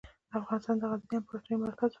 افغانستان د غزني امپراتورۍ مرکز و.